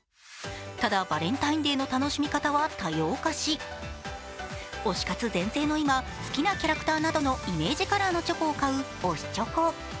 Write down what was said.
ただ、バレンタインデーの楽しみ方は多様化し推し活全盛の今、好きなキャラクターなどのイメージカラーのチョコを買う推しチョコ。